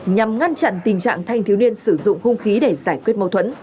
nhằm ngăn chặn tình trạng thanh thiếu niên sử dụng hung khí để giải quyết mâu thuẫn